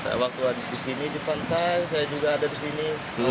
saya waktu disini di pantai saya juga ada disini